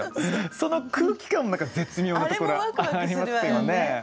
その空気感も何か絶妙なところありますよね。